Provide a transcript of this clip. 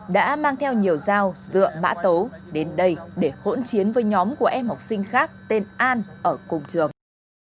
đã mang theo nhiều dao dựa mã tấu đến đây để hỗn chiến với nhóm của em học sinh khác tên an ở cùng trường